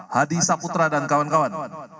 hadisaputra dan kawan kawan